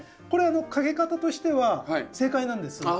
これかけ方としては正解なんです。